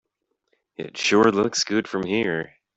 It sure looks good from here.